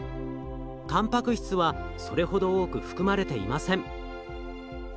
たんぱく質はそれほど多く含まれていません。